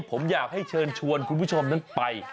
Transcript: ผมอยากให้เชิญชวนคุณผู้ชมนั้นไป